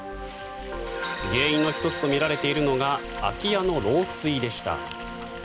原因の１つとみられているのが空き家の漏水でした。